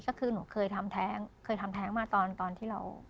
ก็คือหนูเคยทำแท้งมาตอนที่เรา